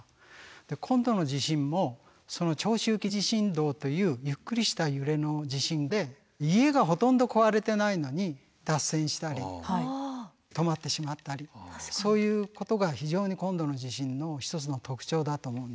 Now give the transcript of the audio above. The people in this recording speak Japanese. で今度の地震もその長周期地震動というゆっくりした揺れの地震で家がほとんど壊れてないのに脱線したり止まってしまったりそういうことが非常に今度の地震の一つの特徴だと思うんです。